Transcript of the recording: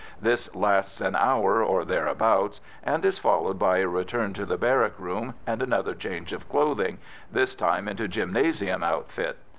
This lasts an hour or thereabouts, and is followed by a return to the barrack room and another change of clothing, this time into gymnasium outfit.